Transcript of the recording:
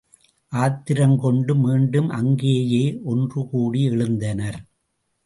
ஆத்திரங் கொண்டு மீண்டும் அங்கேயே ஒன்று கூடி எழுந்தனர்.